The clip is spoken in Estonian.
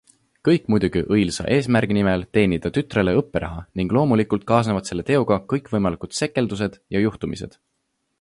Kõik muidugi õilsa eesmärgi nimel teenida tütrele õpperaha, ning loomulikult kaasnevad selle teoga kõikvõimalikud sekeldused ja juhtumised.